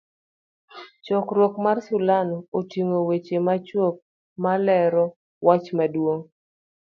chakruok mar sulano otingo weche machuok ma lero wach maduong'